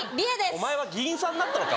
お前は議員さんだったのか？